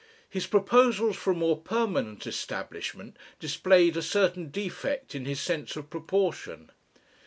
His proposals for a more permanent establishment displayed a certain defect in his sense of proportion.